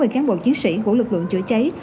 một mươi cán bộ chiến sĩ của lực lượng chữa cháy